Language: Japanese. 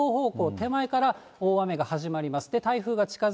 手前から大雨が始まります。